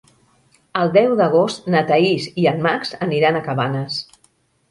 El deu d'agost na Thaís i en Max aniran a Cabanes.